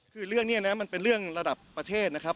คือเรื่องนี้นะมันเป็นเรื่องระดับประเทศนะครับ